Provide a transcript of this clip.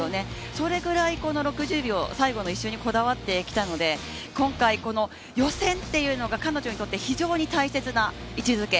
それぐらいこの６０秒最後の１周にこだわってきたので今回予選っていうのが彼女にとって非常に大切な位置づけ。